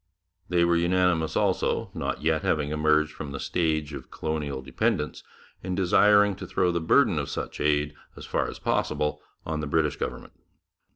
They were unanimous also, not yet having emerged from the stage of colonial dependence, in desiring to throw the burden of such aid as far as possible on the British government.